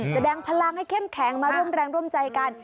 แสดงพลังให้เข้มแข็งมาร่วมแรงร่วมใจกัน